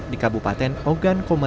di kabupaten ogan komunikasi